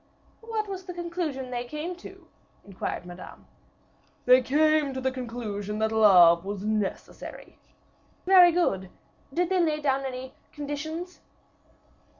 "What was the conclusion they came to?" inquired Madame. "They came to the conclusion that love was necessary." "Very good! Did they lay down any conditions?"